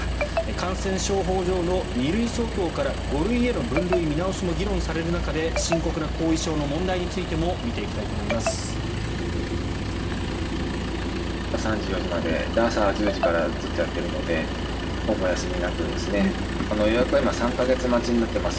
感染症法上の２類相当から５類への分類見直しも議論される中で深刻な後遺症の問題についても見ていきたいと思います。